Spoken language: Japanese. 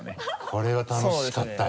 これは楽しかったよ。